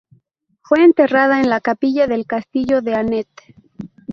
Fue enterrada en la capilla del Castillo de Anet.